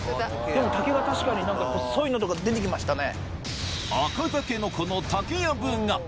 でも竹が確かに細いのとか出てきましたね。